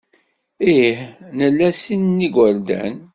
Ih, nla sin n yigerdan.